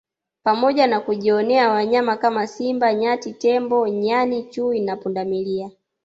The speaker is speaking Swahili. pamoja na kujionea wanyama kama Simba Nyati Tembo Nyani Chui na Pundamilia